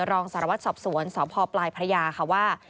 รองสารวัตรสอบสวนสพปลายพระยาค่ะว่า